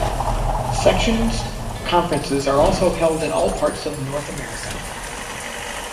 Section conferences are also held in all parts of North America.